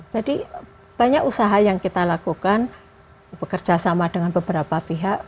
jadi banyak usaha yang kita lakukan bekerja sama dengan beberapa pihak